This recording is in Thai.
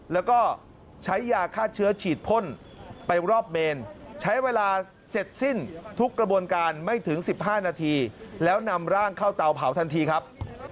แล้วก็ใช้ยาฆ่าเชื้อฉีดพ่นไปรอบเมนใช้เวลาเสร็จสิ้นทุกกระบวนการไม่ถึง๑๕นาทีแล้วนำร่างเข้าเตาเผาทันทีครับ